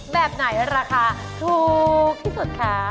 แบบไหนราคาถูกที่สุดคะ